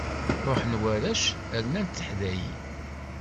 Ṛuḥen warrac rnant teḥdayin.